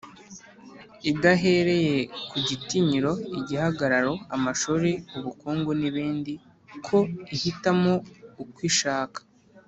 idahereye ku gitinyiro, igihagararo, amashuri, ubukungu n’ibindi, ko ihitamo uko ishaka,